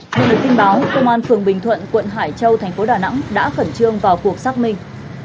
nhận được tin báo công an phường bình thuận quận hải châu thành phố đà nẵng đã khẩn trương vào cuộc xác minh